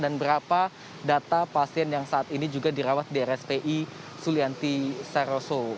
dan berapa data pasien yang saat ini juga dirawat di rspi sulianti saroso